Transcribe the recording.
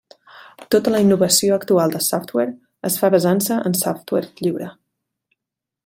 Tota la innovació actual de software es fa basant-se en software lliure.